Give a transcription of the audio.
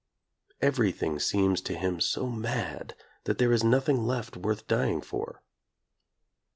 Every thing seems to him so mad that there is nothing left worth dying for.